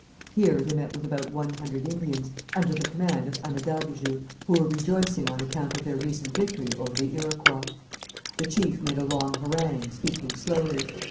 Here they met with about one hundred Indians, under the command of Anadabijou, who were rejoicing on account of their recent victory over the Iroquois. The chief made a long harangue, speaking slowly.